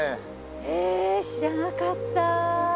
え知らなかった。